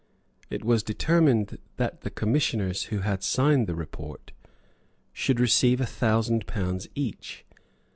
It was determined that the commissioners who had signed the report should receive a thousand pounds each.